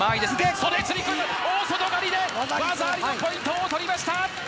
袖釣り込み、大外刈りで技ありのポイントを取りました。